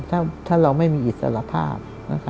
ถ้าเราไม่มีอิสระภาพนะคะ